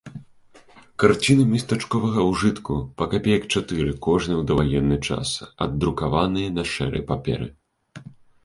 Карціны местачковага ўжытку, па капеек чатыры кожная ў даваенны час, аддрукаваныя на шэрай паперы.